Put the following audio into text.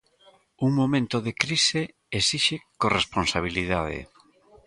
Un momento de crise esixe corresponsabilidade.